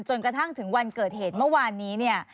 จนกระทั่งถึงวันเกิดเหตุเมื่อวานนี้เนี่ย